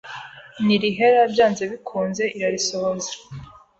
ntirihera byanze bikunze irarisohoza.